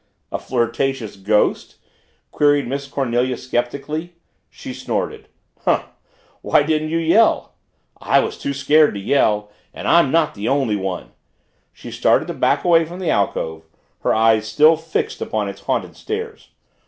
"A flirtatious ghost?" queried Miss Cornelia skeptically. She snorted. "Humph! Why didn't you yell?" "I was too scared to yell! And I'm not the only one." She started to back away from the alcove, her eyes still fixed upon its haunted stairs.